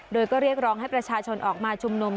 โดยก็เรียกร้องให้ประชาชนออกมาชุมนุม